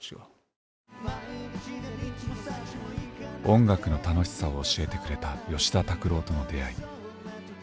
音楽の楽しさを教えてくれた吉田拓郎との出会い。